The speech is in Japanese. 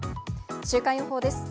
週間予報です。